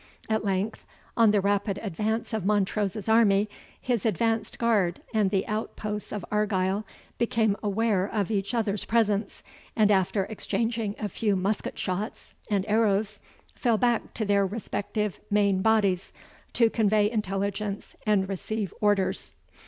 At length, on the rapid advance of Montrose's army, his advanced guard and the outposts of Argyle became aware of each other's presence, and after exchanging a few musket shots and arrows, fell back to their respective main bodies, to convey intelligence and receive orders.